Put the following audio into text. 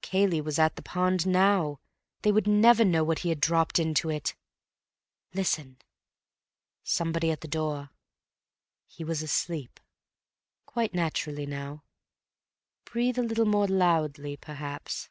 Cayley was at the pond now. They would never know what he had dropped into it. Listen!.... Somebody at the door. He was asleep. Quite naturally now. Breathe a little more loudly, perhaps.